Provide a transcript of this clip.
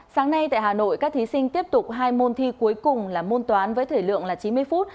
sáng nay tại hà nội các thí sinh tiếp tục hai môn thi cuối cùng là môn toán với thời lượng là chín mươi phút